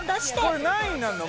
これ何位になるの？